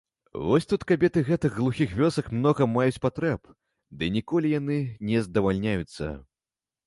Вось тут кабеты гэтых глухіх вёсак многа маюць патрэб, ды ніколі яны не здавальняюцца.